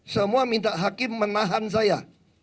semua minta hakim menahan saya